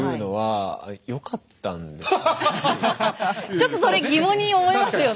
ちょっとそれ疑問に思いますよね。